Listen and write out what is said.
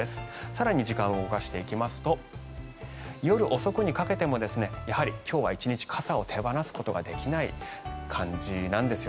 更に時間を動かしていきますと夜遅くにかけてもやはり今日１日は傘を手放すことができない感じなんです。